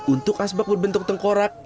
untuk asbak berbentuk tengkorak